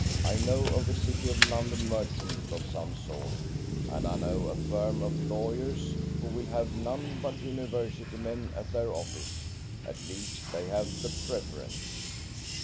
I know of a City of London merchant of some sort, and I know a firm of lawyers, who will have none but University men at their office; at least, they have the preference."